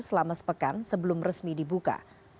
selama sepekan sebelum resmi dibuka